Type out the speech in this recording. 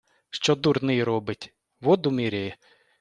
Що дурний робить? — Воду міряє.